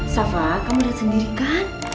safa kamu lihat sendiri kan